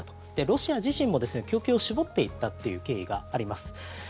ロシア自身も供給を絞っていったという経緯があります。